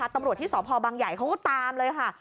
ตำรวจที่สพบังใหญ่เขาก็ตามเลยค่ะ